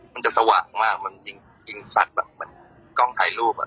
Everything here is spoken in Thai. มันจะสว่างมากจะยิงฝัดแบบกล้องไทยรูป